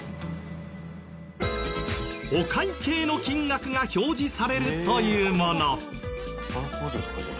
お会計の金額が表示されるというもの。